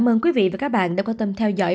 ơn quý vị và các bạn đã quan tâm theo dõi